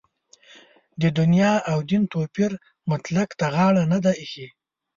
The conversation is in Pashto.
د دنیا او دین توپیر منطق ته غاړه نه ده اېښې.